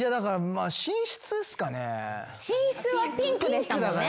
寝室はピンクでしたもんね。